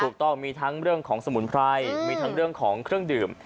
ถูกต้องมีทั้งเรื่องของสมุนไพรมีทั้งเรื่องของเครื่องดื่ม